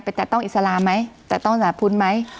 ไปแตะต้องอิสระไหมแตะต้องสาธารณะพุนไหม